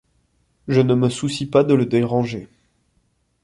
Je ne me soucie pas de le déranger.